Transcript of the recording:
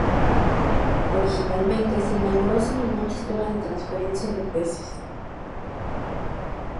Originalmente se inauguró sin ningún sistema de transferencia de peces.